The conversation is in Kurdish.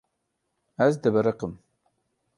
Ez dibiriqim.